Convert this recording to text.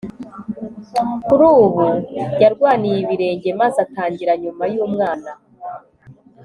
kuri ubu, yarwaniye ibirenge maze atangira nyuma y'umwana